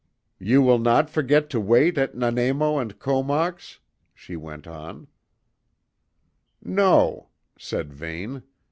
"You will not forget to wait at Nanaimo and Comox?" she went on. "No," said Vane.